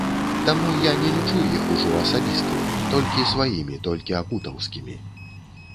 Таму я не лічу іх ужо асабістымі, толькі сваімі, толькі акутаўскімі.